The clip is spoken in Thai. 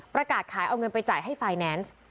ประกาศขายเอาเงินไปจ่ายให้ไฟแนนซ์